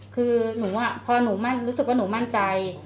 คือหนูพอหนูมั่นรู้สึกว่าหนูมั่นใจ